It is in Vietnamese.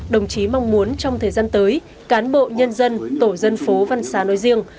đồng chí mong muốn trong thời gian tới cán bộ nhân dân tổ dân phố văn xá nói riêng